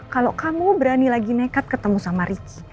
kalau kamu berani lagi nekat ketemu sama ricky